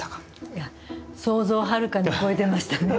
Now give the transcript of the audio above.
いや想像をはるかに超えてましたね。